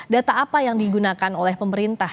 data apa yang digunakan oleh pemerintah